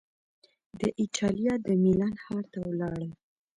د ایټالیا د میلان ښار ته ولاړ